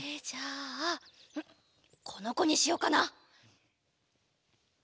じゃあこのこにしようかな。